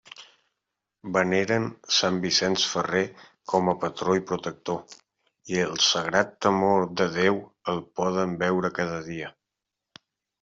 Veneren sant Vicent Ferrer com a patró i protector, i el sagrat temor de Déu el poden veure cada dia.